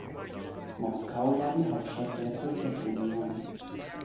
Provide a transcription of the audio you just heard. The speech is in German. Moskau war die Hauptstadt der Sowjetunion.